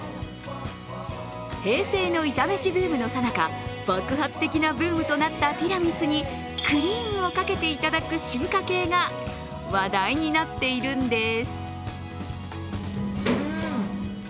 平成のイタ飯ブームのさなか爆発的なブームとなったティラミスにクリームをかけていただく進化系が話題になっているんです。